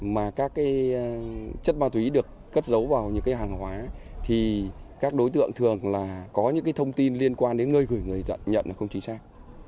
mà các cái chất ma túy được cất giấu vào những cái hàng hóa thì các đối tượng thường là có những cái thông tin liên quan đến người gửi người nhận là không chính xác